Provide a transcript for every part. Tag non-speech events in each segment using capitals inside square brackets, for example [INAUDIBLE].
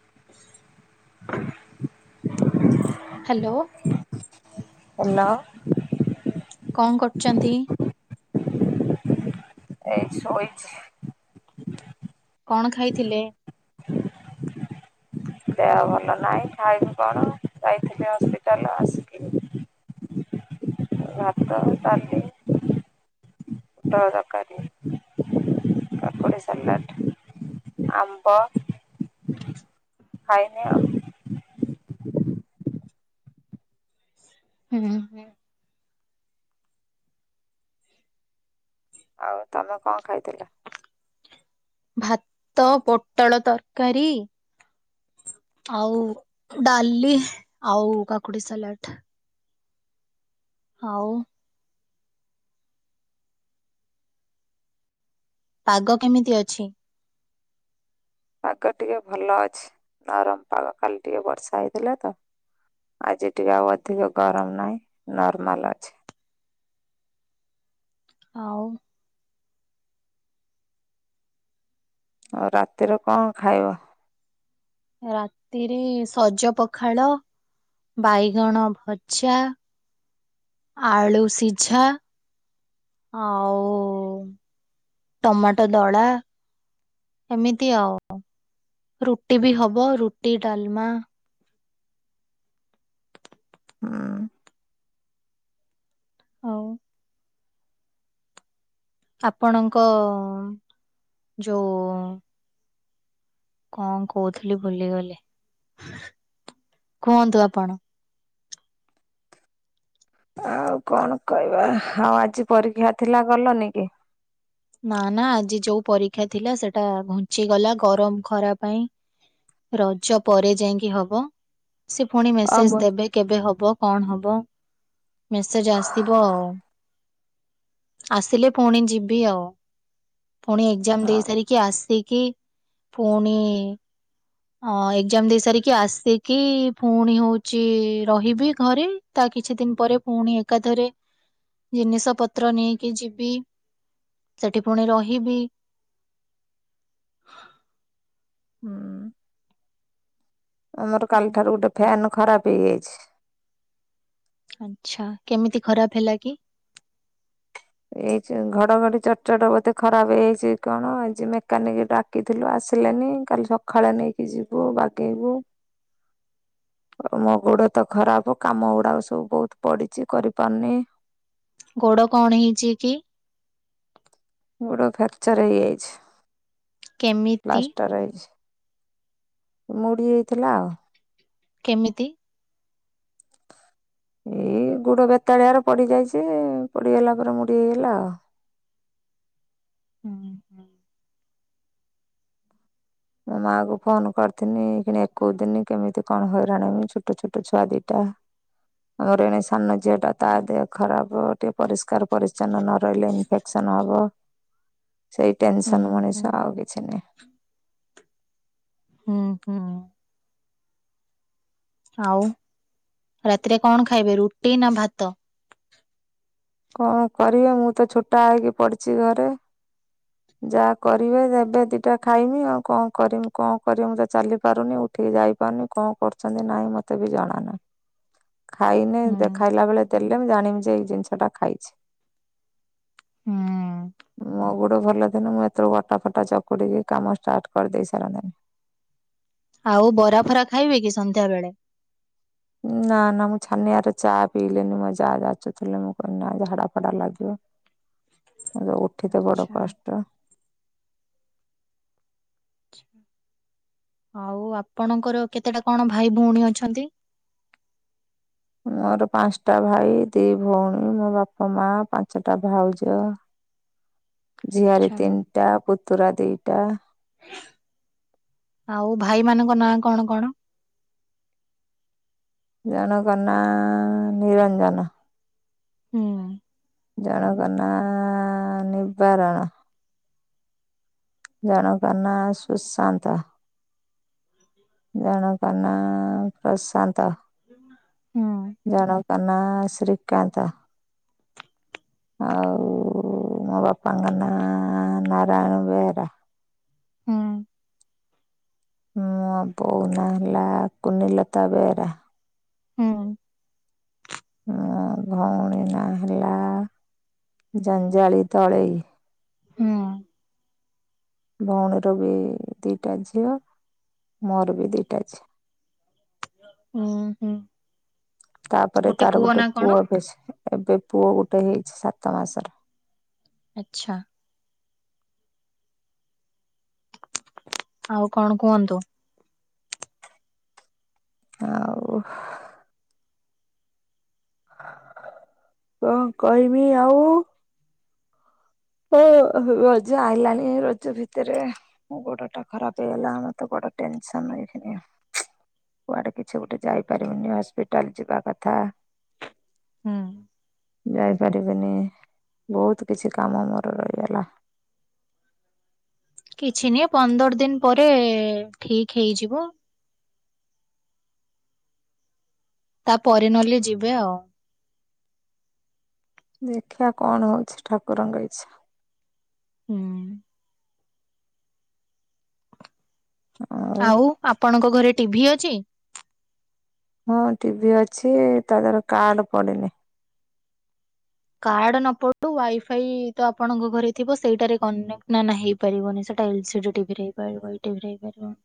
[INAUDIBLE] Hello. Hello. କଣ କରୁଛନ୍ତି? ଏଇ ଶେଇଛି। କଣ ଖାଇଥିଲେ? ଦେହ ଭଲ ନାହିଁ ଖାଇବି କଣ ଯାଇଥିବି ହସ୍ପିଟାଲ ଆସିକି ହ। [INAUDIBLE] ଭାତ ଡାଲି ପୋଟଳ ତରକାରୀ। କାକୁଡି ସାଲାଟ ଆମ୍ବ। ଖାଇନି ଆଉ। ହୁଁ ହୁଁ। ଆଉ ତମେ କଣ ଖାଇଥିଲ। ତ ପୋଟଳ ତରକାରୀ। ଆଉ ଡାଲି ଆଉ କାକୁଡି ସାଲାଟ। ଆଉ। ପାଗ କେମିତି ଅଛି ପାଗ ଟିକେ ଭଲ ଅଛି ନରମ ପାଗ ଖାଲି ଟିକେ ବର୍ଷା ହେଇଥିଲା ତ ଆଜି। ଟିକେ ଆଉ ଅଧିକ ଗରମ ନାହିଁ ନର୍ମାଲ ଅଛି। ଆଉ। ଆଉ ରାତିରେ କଣ ଖାଇବ। ରାତିରେ ସଜ ପଖାଳ ବାଇଗଣ ଭଜା। ଆଳୁ ସିଝା। ଆଉ ଟମାଟୋ ଦଳା। ଏମିତି ଆଉ ରୁଟି ବି ହବ ରୁଟି ଡାଲମା। [INAUDIBLE] ହଉ। ଆପଣଙ୍କ ଯୋଉ। କଣ କହୁଥିଲି ଭୁଲିଗଲେ କୁହନ୍ତୁ ଆପଣ। ଆଉ କଣ କହିବା ଆଉ ଆଜି ପରୀକ୍ଷା ଥିଲା ଗଲନି କି। ନା ନା ଆଜି ଯୋଉ ପରୀକ୍ଷା ଥିଲା ସେଟା ଘୁଞ୍ଚିଗଲା ଗରମ ଖରା ପାଇଁ। ରଜ ପରେ ଯାଇକି ହବ ସେ ପୁଣି ଅବ ମେସେଜ ଦେବେ। କେବେ ହବ କଣ ହବ ମେସେଜ ଆସିିବ ଆଉ। ଆସିଲି ପୁଣି ଯିବି ଆଉ। ପୁଣି ଏକ୍ଜାମ ଅ ଦେଇ ସାରିକି ଆସିକି ପୁଣି। ହଁ ଏକ୍ଜାମ ଦେଇ ସାରିକି ଆସିକି ପୁଣି ହଉଛି ରହିବି ଘରେ। ତା କିଛି ଦିନ ପରେ ପୁଣି ଏକାଥରେ ଜିନିଷ ପତ୍ର ନେଇକି ଯିବି। ସେଠି ପୁଣି ରହିବି। ହୁଁ। ଆମର ଆଉ କାଲି ଠାରୁ ଗୋଟେ ଫ୍ୟାନ୍ ଖରାପ ହେଇଯାଇଛି। ଆଚ୍ଛା କେମିତି ଖରାପ ହେଲା କି। ଏଇ ଯୋଉ ଘଡଘଡି ଚଟ ଚଟ ବୋଧେ ଖରାପ ହେଇଛି କଣ ଏ ଆଜି ମେକାନିକ ଡାକି ଥିଲୁ ଆସିଲେନି କାଲି ସକାଳେ ନେଇକି ଯିବୁ ବାଗେଇବୁ। ମୋ ଗୋଡ ତ ଖରାପ କାମ ଗୁଡାକ ସବୁ ବହୁତ ପଡିଛି କରିପାରୁନି। ଗୋଡ କଣ ହେଇଛି କି। ଗୋଡ ଫ୍ରେକ୍ଚର ହେଇଯାଇଛି କେମିତି ପ୍ଲାଷ୍ଟଟର ହେଇଛି। ମୁଡି ହେଇଥିଲା ଆଉ। କେମିତି। ଏଇ ଗୁଡ ବେତାଳିଆରେ ପଡିଯାଇଛି ପଡିଗଲା ପରେ ମୋଡି ହେଇଗଲା ଆଉ। [INAUDIBLE] ମା କୁ ଫୋନ୍ କରିଥିଲି କି ଏକୋଇଶି ଦିିନି କେମିତି। କଣ ହଇରାଣ ଛୋଟ ଛୋଟ ଛୁଆ ଦିଟା ଆମର ଏଣେ। ସାନ ଝିଅ ଟା ତା ଦେହ ଖରାପ ଟିକେ ପରିଷ୍କାର ପରିଛନ୍ନ ନ ରହିଲେ ଇନଫେକ୍ସନ ହବ ସେଇ ହୁଁ ଟେନସନ ହୁଁ ମଣିଷ ଆଉ କିଛି ନହିଁ। ହୁଁ ହୁଁ ଆଉ ରାତିରେ କଣ ଖାଇବେ ରୁଟି ନା ଭାତ? କଣ କରିବେ ମୁଁ ତ ଛୋଟା ହେଇକି ପଡିଛି ଘରେ। ଯାହା କରିବେ ଦେବେ ଦିଟା ଖାଇମି ଆଉ କଣ କରିମି କଣ କରିମି ମୁଁ ତ ଚାଲି ପାରୁନି। ଟିକିଏ ଯାଇପାରୁନି କଣ କରୁଛନ୍ତି ନାହିଁ ମୋତେ ବି ଜଣାାନାହିଁ। ଁ ଖାଇନେ ଦେଖାଇଲା ବେଳେ ଦେଲେ ମୁଁ ଜାଣିମି ଯେ ଏଇ ଜିନିଷ ଟା ଖାଇଛି ହୁଁ ମୋ ଗୋଡ ଭଲ ଥିନେ ମୁଁ ଏତୋଳୁକୁ ଅଟା ଫଟା ଚକୁଟିକି କାମ ଷ୍ଟାର୍ଟ କରିଦେଇ ସାରିନ୍ତନି। ଆଉ ବରା ଫରା ଖାଇବେ କି ସନ୍ଧ୍ୟା ବେଳେ। ନା ନା ମୁଁ ଛାନିଆରେ ଚା ପିଇଲିନି ମୋ ଯା ଯାଚୁଥିଲା ମୁଁ କହିନି ଝାଡା ଫାଡା ଲାଗିବ। ମତେ ଉଠିତେ ବଡ ଆଚ୍ଛା। କଷ୍ଟ। ଆଉ ଆପଣଙ୍କର କେତେଟା କଣ ଭାଇ ଭଉଣୀ ଅଛନ୍ତି? ମୋର ପାଞ୍ଚଟା ଭାଇ ଦି ଭଉଣୀ ମୋ ବାପା ମା ପାଞ୍ଚଟା ଭାଉଜ। ଝିଆରୀ ଆଚ୍ଛା। ତିନିଟା ପୁତୁରା ଦିଟା। ଆଉ ଭାଇ ମାନଙ୍କ ନାଁ କଣ କଣ? ଜଣକ ନାଁ ନିରଞ୍ଜନ। ହୁଁ ଜଣଙ୍କ ନାଁ ନିବାରଣ। ଜଣଙ୍କ ନା ସୁଶାନ୍ତ। ଜଣକ ନା ପ୍ରଶାନ୍ତ, ହୁଁ ଜଣଙ୍କ ନାଁ ଶ୍ରୀକାନ୍ତ। ଆଉ ମୋ ବାପାଙ୍କ ନାଁ ନାରାୟଣ ବେହେରା। ହୁଁ ମୁଁ ବୋଉ ନା ହେଲା କୁନିିଲତା ବେହେରା। ହୁଁ ଭଉଣୀ ନାଁ ହେଲା ଜଞ୍ଜାଳି ଦଳେଇ। ହୁଁ। ଭଉଣୀର ବି ଦିଟା ଝିଅ ମୋର ବି ଦିଟା ଝିଅ। ଓ ହୋ ତାପରେ ତାର ଗୋଟେ କଣ? ପୁଅ ବି ଏବେ ପୁଅ ଗୋଟେ ହେଇଛି ସାତ ମାସର। ଆଚ୍ଛା ଆଉ କଣ କୁହନ୍ତୁ? ଆଉ କଣ କହିବି ଆଉ। ହ ରଜ ଆଇଲାଣି ରଜ ଭିତରେ ମୋ ଗୋଡ ଟା ଖରାପ ହେଇଗଲା ଆମର ତ ବଡ଼ ଟେନ୍ସନ୍ ଏଇକ୍ଷିଣି। କୁଆଡେ କିଛି ଗୋଟେ ଯାଇପାରିବିନି ହସ୍ପିଟାଲ ଯିବା କଥା। ହୁଁ ଯାଇପାରିବିନି ବହୁତ କିଛି କାମ ମୋର ରହିଗଲା। କିଛି ନି ପନ୍ଦର ଦିନ ପରେ ଠିକ ହେଇଯିବ। ତା ପରେ ନହେଲେ ଯିବେ ଆଉ। ଦେଖିବା କଣ ହଉଛି ଠାକୁରଙ୍କ ଇଚ୍ଛା। ହୁଁ ଆଉ ଆପଣଙ୍କ ଘରେ ଟିଭିି ଅଛି? ହଁ ଟିଭିି ଅଛି ତା ଦେହର କାର୍ଡ ପଡିନି। କାର୍ଡ ନ ପଡୁ ୱାଇଫାଇ ତ ଆପଣଙ୍କ ଘରେ ଥିବ ସେଇଟାରେ କନେକ୍ଟ ନା ନା ପାରିବନି ସେଟା ଏଲ୍ ସିଡି ଟିଭି ହେଇପାରିବ ଏଇ ଟିଭି ହେଇପାରିବନି।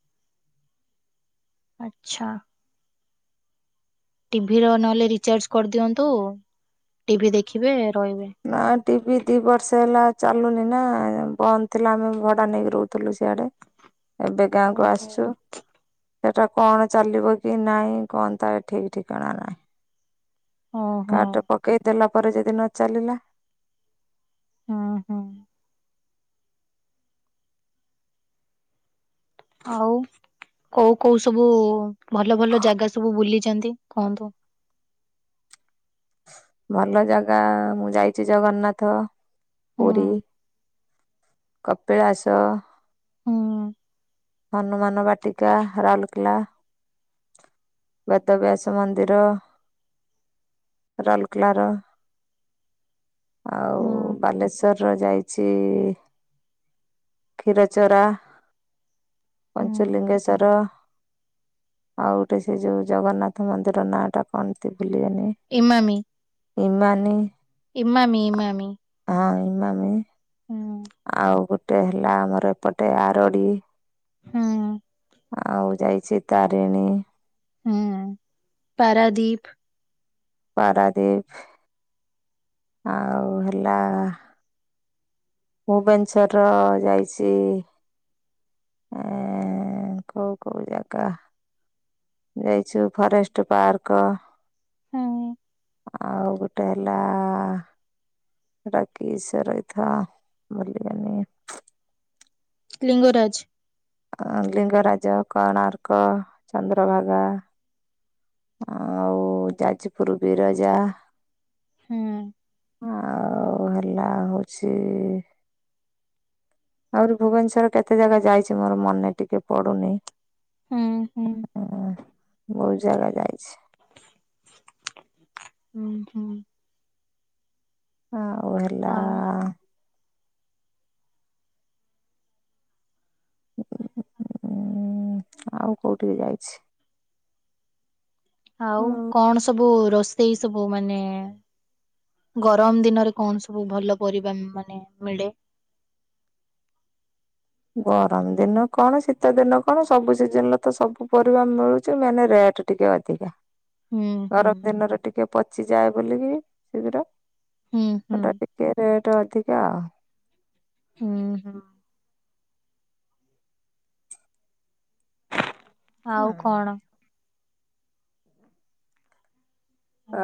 ଆଛା ଟିଭି ର ନହେଲେ ରିଚାର୍ଜ କରିଦିଅନ୍ତୁ। ଟିଭିି ଦେଖିବେ ରହିବେ। ନା ଟିଭି ଦି ବର୍ଷ ହେଲା ଚାଲୁନି ନା ବନ୍ଦ ଥିଲା ଆମେ ଭଡ଼ା ନେଇକି ରହୁଥିଲୁ ସିଆଡେ। ଏବେ ଗାଁ କୁ ଓହୋ। ଆସିଛୁ। ସେଟା କଣ ଚାଲିବ କି ନାଇଁ କଣ ତାର ଠିକ୍ ଠିକଣା ନାହିଁ। ଓହୋ କାର୍ଡ ଟା ପକେଇଦେଲା ପରେ ଯଦି ନ ଚାଲିଲା। ହୁଁ ହୁଁ। ଆଉ କୋଉ କୋଉ ସବୁ ଭଲ ଭଲ ଜାଗା ସବୁ ବୁଲିଚନ୍ତି କୁହନ୍ତୁ? ଭଲ ଜାଗା ମୁଁ ଯାଇଛି ଜଗନ୍ନାଥ ହୁଁ ପୁରୀ। କପିଳାସ। ହୁଁ ହନୁମାନ ବାଟିକା ରାଉରକେଲା। ବେଦବ୍ୟାସ ମନ୍ଦିର। ରାଉରକେଲାର। ଆଉ ହୁଁ ବାଲେଶ୍ୱର ର ଯାଇଚି କ୍ଷୀର ଚରା ହୁଁ। ପଞ୍ଚଲିଙ୍ଗେଶ୍ୱର। ଆଉ ଗୋଟେ ସେ ଯୋଉ ଜଗନ୍ନାଥ ମନ୍ଦିରର ନାଁ ଟା କଣତି ଭୁଲିଗନି। ଇମାମୀ। ଇମାନୀ। ଇମାମି ଇମାମି। ହଁ ଇମାମି ହୁଁ ଆଉ ଗୋଟେ ହେଲା ଆମର ଏପଟେ ଆରଡି। ହୁଁ। ଆଉ ଯାଇଚି ତାରିଣୀ। ହୁଁ ପାରାଦୀପ୍। ପାରାଦିପ୍। ଆଉ ହେଲା ଭୁବନେଶ୍ୱର ର ଯାଇଚି ଏ କଉ କଉ ଜାଗା। ଯାଇଛୁ ଫରେଷ୍ଟ ପାର୍କ। ହୁଁ। ଆଉ ଗୋଟେ ହେଲା। ରାକେଶ [UNINTELLIGIBLE] ରଇଥା ଭୁଲିଗନି। ଲିଙ୍ଗରାଜ୍। ଲିଙ୍ଗରାଜ କୋଣାର୍କ ଚନ୍ଦ୍ରଭାଗା। ଆଉ ଯାଜପୁର ବିରଜା। ହୁଁ। ଆଉ ହେଲା ହୋଉଚି ଆହୁରି ଭୁବନେଶ୍ଵର କେତେ ଜାଗା ଯାଇଛି ମୋର ମନେ ଟିକେ ପଡୁନି। ହୁଁ ହୁଁ। ହୁଁ ବୋହୁତ ଜାଗା ଯାଇଛି। ହୁଁ ହୁଁ। ଆଁ--ଓଇଲା ଆଉ ଉଁ ଆଉ କୋଉଠିକି ଯାଇଛି? ଆଉ କଣ, ସବୁ ରୋଷେଇ ସବୁ ମାନେ? ଗରମ ଦିନରେ କଣ ସବୁ ଭଲ ପରିବା ମାନେ ମିଳେ? ଗରମ ଦିନ କଣ ଶୀତ ଦିନ କଣ ସବୁ ସିଜନ ରେ ତ ସବୁ ପରିବା ମିଳୁଚି। ମାନେ ରେଟ ଟିକେ ଅଧ [UNINTELLIGIBLE] ହୁଁ ହୁଁ ଗରମ ଦିନରେ ଟିକେ ପଚିଯାଏ ବୋଲିକି, ଶୀଘ୍ର ହୁଁ ହୁଁ ସେଟା ଟିକ୍ ଟିକେ ରେଟ୍ ଅଧିକା ଆଉ। ହୁଁ ହୁଁ। ହୁଁ। ଆଉ କଣ?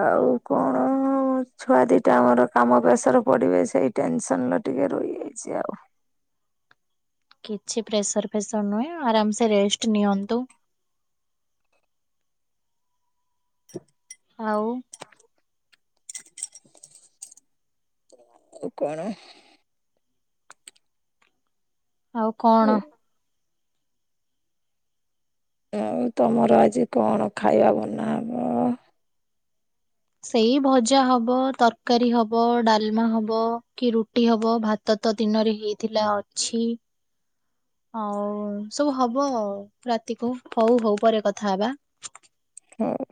ଆଉ କଣ? ମୋ ଛୁଆ ଦିଟା ଆମର କାମପେସର ପଡ଼ିବେ, ସେଇ ଟେନସନ୍ ରେ ଟିକେ ରହିଯାଇଛି ଆଉ। କିଛି ପ୍ରେସର, ଫ୍ରେସର୍ ନୁହେଁ ଆରାମସ ରେଷ୍ଟ୍ ନିଅନ୍ତୁ। [INAUDIBLE] ଆଉ? ଓ, କଣ? ଆଉ କଣ? ଆଉ ତମର ଆଜି କଣ ଖାଇବା ବନା ହବ୍? ସେଇ ଭଜା ହବ, ତରକାରୀ ହବ, ଡାଲମା ହବ, କି ରୁଟି ହବ, ଭାତ୍? ତ, ତ ଦିନରେ ହେଇଥିଲା ଅଛି। ଆଉ ସବୁ ହବ ଆଉ ରାତିକୁ ହଉ ହଉ ପରେ କଥା ହେବା। ହୁଁ ଉଁ।